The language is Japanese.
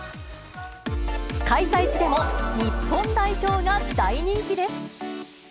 開催地でも日本代表が大人気です。